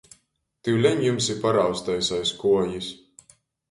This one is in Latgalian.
Tiuleņ jims i parausteis aiz kuojis.